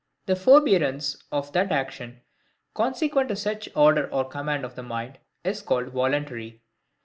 The forbearance of that action, consequent to such order or command of the mind, is called VOLUNTARY.